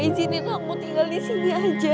izinin aku tinggal disini aja